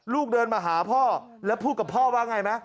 เดินมาหาพ่อแล้วพูดกับพ่อว่าไงไหม